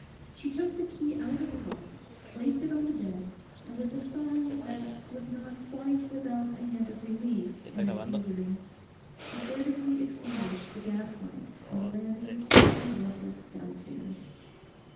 She took the key out of the lock, placed it on the bed, and with a sigh, that was not quite without a hint of relief in its misery, she furtively extinguished the gas light on the landing and rustled downstairs.